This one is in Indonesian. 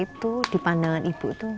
sifat itu dipandangkan ibu itu